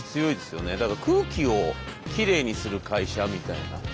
だから「空気をきれいにする会社」みたいな。